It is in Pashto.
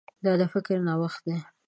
دا د فکر نوښت دی.